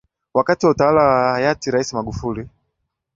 wakati wa utawala wa hayati raisi Magufuli